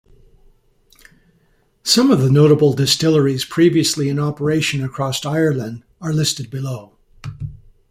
Some of the notable distilleries previously in operation across Ireland are listed below.